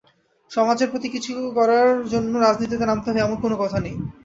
সমাজের প্রতি কিছু করার জন্য রাজনীতিতে নামতে হবে এমনও কোনো কথা নেই।